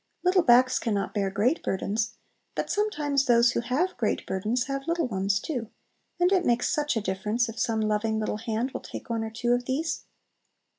Little backs can not bear great burdens, but sometimes those who have great burdens have little ones too, and it makes such a difference if some loving little hand will take one or two of these.